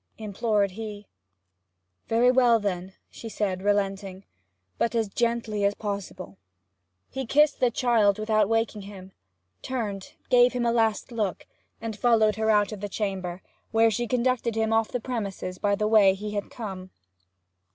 implored he. 'Very well, then,' said she, relenting. 'But as gently as possible.' He kissed the child without waking him, turned, gave him a last look, and followed her out of the chamber, when she conducted him off the premises by the way he had come.